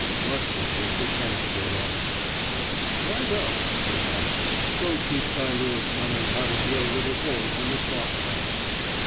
Muskett was the transport officer. "Righto," said I. "Go teach thy Lewis gunners how to drill little holes in the chalk bank."